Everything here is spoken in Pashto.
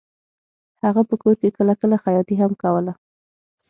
هغه په کور کې کله کله خیاطي هم کوله